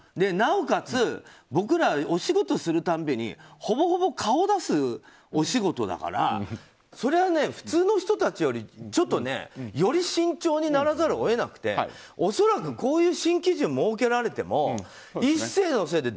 なおかつ、僕らお仕事する度にほぼほぼ顔を出すお仕事だからそりゃあ、普通の人たちよりちょっとより慎重にならざるを得なくて恐らくこういう新基準を設けられてもいっせーの、せ！